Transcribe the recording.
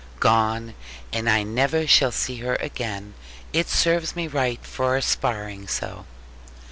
'Gone. And I never shall see her again. It serves me right for aspiring so.'